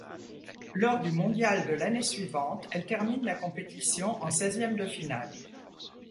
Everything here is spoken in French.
Lors du mondial de l'année suivante, elle termine la compétition en seizième de finale.